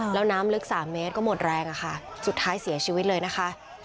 แล้วน้ำลึก๓เมตรก็หมดแรงอะค่ะสุดท้ายเสียชีวิตเลยนะคะ